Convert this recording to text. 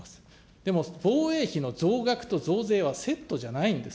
でも防衛費の増額と増税はセットじゃないんです。